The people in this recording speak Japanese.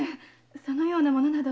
そのような者など。